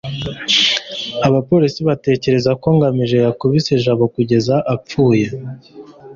abapolisi batekereza ko ngamije yakubise jabo kugeza apfuye